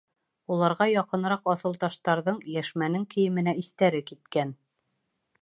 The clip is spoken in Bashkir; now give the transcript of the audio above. Уларға яҡыныраҡ аҫылташтарҙың Йәшмәнең кейеменә иҫтәре киткән.